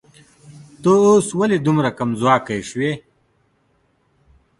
ته اوس ولې دومره کمځواکی شوې